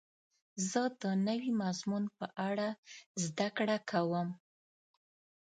زه د نوي مضمون په اړه زده کړه کوم.